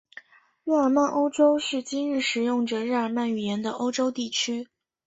日耳曼欧洲是今日使用着日耳曼语言的欧洲地区。